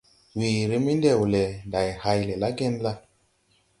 Weere mendewle, ndày hay le la genla?